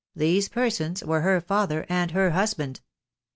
these persons were her father and her husband.